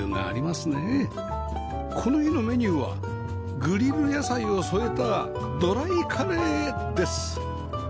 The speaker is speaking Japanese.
この日のメニューはグリル野菜を添えたドライカレーです